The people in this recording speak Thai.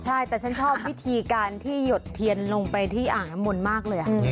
ใช่แต่ฉันชอบวิธีการที่หยดเทียนลงไปที่อ่างน้ำมนต์มากเลย